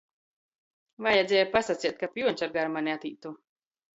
Vajadzēja pasaceit, kab Juoņs ar garmani atītu.